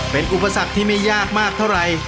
เป็นอุปสรรคที่ไม่ยากมากเท่าไหร่